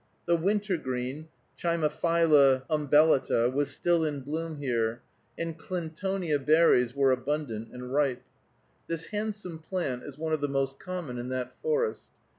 The wintergreen (Chimaphila umbellata) was still in bloom here, and clintonia berries were abundant and ripe. This handsome plant is one of the most common in that forest.